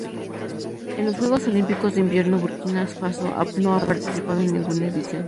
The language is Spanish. En los Juegos Olímpicos de Invierno Burkina Faso no ha participado en ninguna edición.